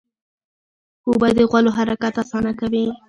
اوبه د غولو حرکت اسانه کوي.